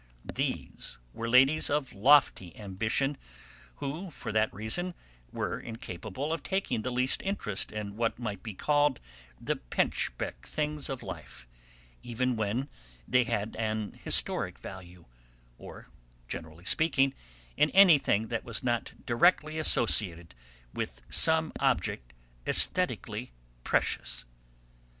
They were ladies of lofty ambition, who for that reason were incapable of taking the least interest in what might be called the 'pinchbeck' things of life, even when they had an historic value, or, generally speaking, in anything that was not directly associated with some object aesthetically precious.